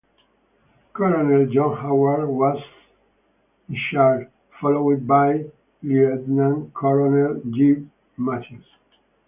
Colonel John Howard was in charge, followed by Lieut.Colonel G. Mathews.